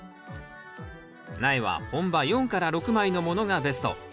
苗は本葉４６枚のものがベスト。